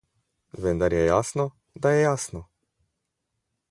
Vendar je jasno, da je jasno.